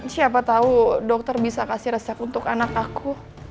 siapa tahu dokter bisa kasih resep untuk anak aku